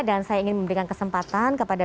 dan saya ingin memberikan kesempatan kepada